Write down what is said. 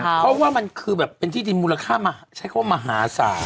เพราะว่ามันคือแบบเป็นที่ดินมูลค่าใช้คำว่ามหาศาล